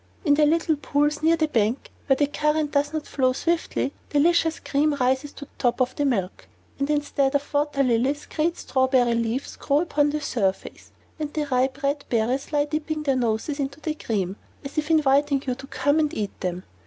In the little pools near the bank, where the current does not flow swiftly, delicious cream rises to the top of the milk, and instead of water lilies great strawberry leaves grow upon the surface, and the ripe, red berries lie dipping their noses into the cream, as if inviting you to come and eat them.